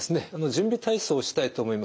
準備体操をしたいと思います。